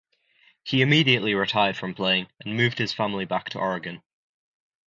He immediately retired from playing and moved his family back to Oregon.